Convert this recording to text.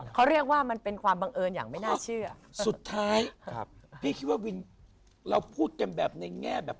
เขาเรียกว่ามันเป็นความบังเอิญอย่างไม่น่าเชื่อ